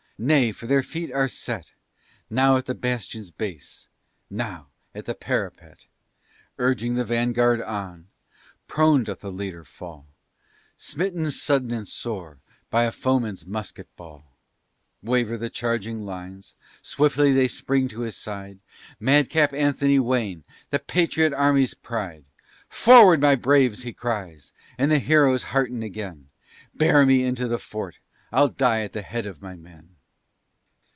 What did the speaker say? Nay, for their feet are set Now at the bastion's base, now on the parapet! Urging the vanguard on prone doth the leader fall, Smitten sudden and sore by a foeman's musket ball; Waver the charging lines; swiftly they spring to his side, Madcap Anthony Wayne, the patriot army's pride! Forward, my braves! he cries, and the heroes hearten again; _Bear me into the fort, I'll die at the head of my men!